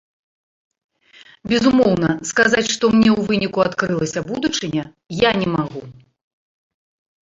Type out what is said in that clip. Безумоўна, сказаць, што мне ў выніку адкрылася будучыня, я не магу.